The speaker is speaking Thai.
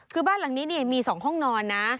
คือบ้านหลังนี้มี๒ห้องนอนนะ